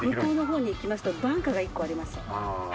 向こうのほうに行きますとバンカーが１個あります。